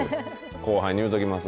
後輩に言うときます